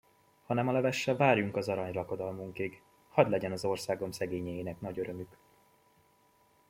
Hanem a levessel várjunk az aranylakodalmunkig; hadd legyen az országom szegényeinek nagy örömük.